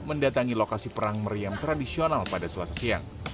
mendatangi lokasi perang meriam tradisional pada selasa siang